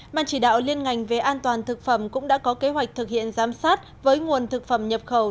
màn chỉ đạo liên ngành về an toàn thực phẩm cũng đã có kế hoạch thực hiện giám sát với nguồn thực phẩm nhập khẩu